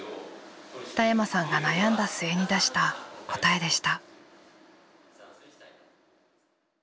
田山さんが悩んだ末に出した答えでした。